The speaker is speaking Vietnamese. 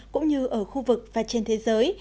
cũng như ở khu vực và trên thế giới